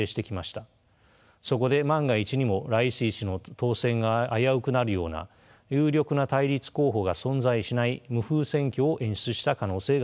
そこで万が一にもライシ師の当選が危うくなるような有力な対立候補が存在しない無風選挙を演出した可能性があります。